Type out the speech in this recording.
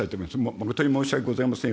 誠に申し訳ございません。